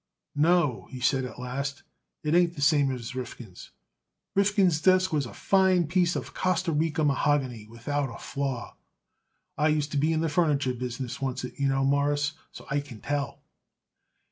"No," he said at last. "It ain't the same as Rifkin's. Rifkin's desk was a fine piece of Costa Rica mahogany without a flaw. I used to be in the furniture business oncet, you know, Mawruss, and so I can tell."